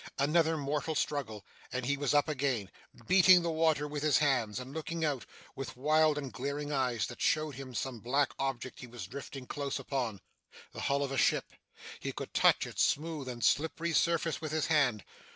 Another mortal struggle, and he was up again, beating the water with his hands, and looking out, with wild and glaring eyes that showed him some black object he was drifting close upon. The hull of a ship! He could touch its smooth and slippery surface with his hand.